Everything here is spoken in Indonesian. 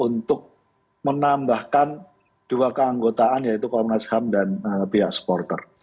untuk menambahkan dua keanggotaan yaitu komnas ham dan pihak supporter